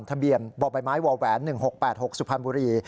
ทะเบียนบ่อใบไม้วแหวน๑๖๘๖สุพรรณบุรี